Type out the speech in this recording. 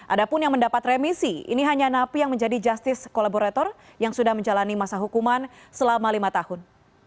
ada pun yang mendapat remisi ini hanya napi yang menjadi justice collaborator yang sudah menjalani masa hukuman selama lima tahun